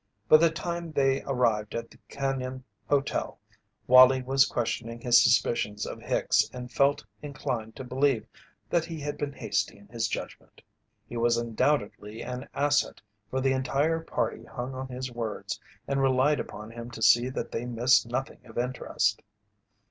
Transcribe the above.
By the time they arrived at the Cañon Hotel Wallie was questioning his suspicions of Hicks and felt inclined to believe that he had been hasty in his judgment. He was undoubtedly an asset, for the entire party hung on his words and relied upon him to see that they missed nothing of interest.